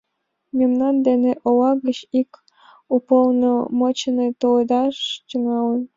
Мемнан деке ола гыч ик уполномоченный толедаш тӱҥалын.